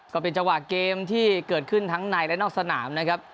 ก็เป็นจังหวะเกมที่เกิดขึ้นทั้งในและนอกสนามนะครับ